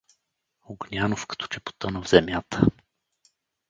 Огнянов като че потъна в земята!